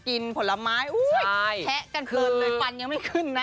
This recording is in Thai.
กินผลไม้แพะกันเปิดเลยฟันยังไม่ขึ้นนะ